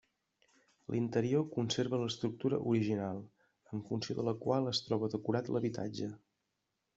L'interior conserva l'estructura original, en funció de la qual es troba decorat l'habitatge.